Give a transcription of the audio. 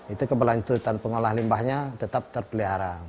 itu keberlanjutan pengolah limbahnya tetap terpelihara